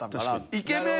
イケメン。